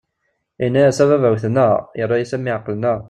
Inna-yas: "A baba, wwten-aɣ". Irra-yas: "A mmi, εeqlen-aɣ".